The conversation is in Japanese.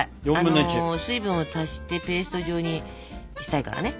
水分を足してペースト状にしたいからね。